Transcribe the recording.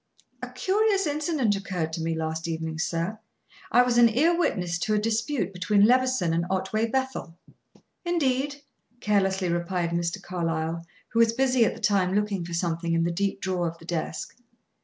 "A curious incident occurred to me last evening, sir. I was an ear witness to a dispute between Levison and Otway Bethel." "Indeed!" carelessly replied Mr. Carlyle, who was busy at the time looking for something in the deep drawer of the desk.